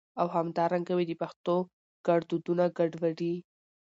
او همدا رنګه مي د پښتو ګړدودونه ګډوډي